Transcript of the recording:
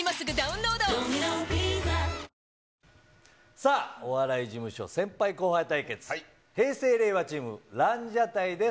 さあ、お笑い事務所先輩後輩対決、平成・令和チーム、ランジャタイです。